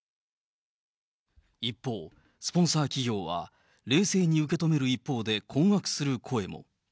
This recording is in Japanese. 一方、スポンサー企業は、冷静に受け止める一方で、困惑する声も。